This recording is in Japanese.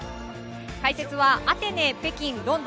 解説はアテネ、北京、ロンド